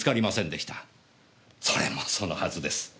それもそのはずです。